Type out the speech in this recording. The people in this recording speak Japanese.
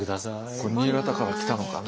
これ新潟から来たのかな？